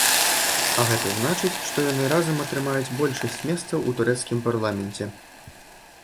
А гэта значыць, што яны разам атрымаюць большасць месцаў у турэцкім парламенце.